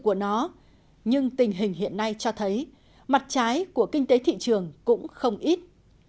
của nó nhưng tình hình hiện nay cho thấy mặt trái của kinh tế thị trường cũng không ít